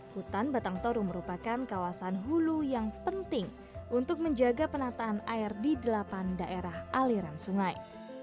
hutan batang toru merupakan kawasan hulu yang penting untuk menjaga penataan air di delapan daerah aliran sungai